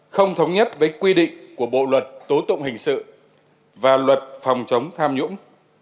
không thống nhất với quy định của bộ luật tố tụng hình sự và luật phòng chống tham nhũng